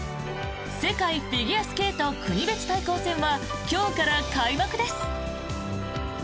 世界フィギュアスケート国別対抗戦は今日から開幕です！